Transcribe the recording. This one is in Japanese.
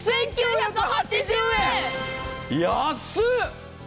安っ！